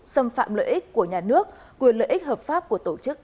xâm phạm lợi ích của nhà nước quyền lợi ích hợp pháp của tổ chức